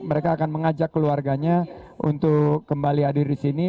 mereka akan mengajak keluarganya untuk kembali hadir di sini